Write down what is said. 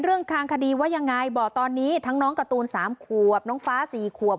เรื่องทางคดีว่ายังไงบอกตอนนี้ทั้งน้องการ์ตูน๓ขวบน้องฟ้า๔ขวบ